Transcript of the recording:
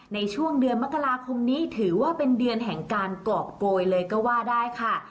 ในช่วงเดือนมกราคมนี้ถือว่าเป็นเดือนแห่งการกรอบโกยเลยก็ว่าได้ค่ะ